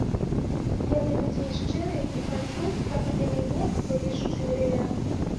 Я да людзей шчыры і хачу, каб і да мяне былі шчырыя.